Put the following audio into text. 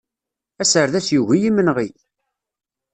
Aserdas yugi imenɣi!